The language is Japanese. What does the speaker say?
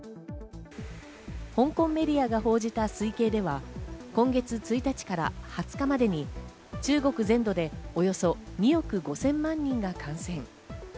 香港メディアが報じた推計では今月１日から２０日までに中国全土でおよそ２億５０００万人が感染。